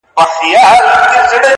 • اوښان ډوب سول د ځانو په اندېښنو کي,